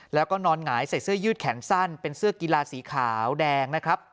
แล้วก็นอนหงายใส่เสื้อยืดแขนสั้นเป็นเสื้อกีฬาสีขาวแดงนะครับ